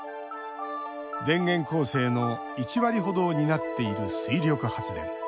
電源構成の１割ほどを担っている水力発電。